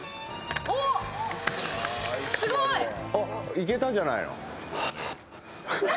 いけたじゃないの。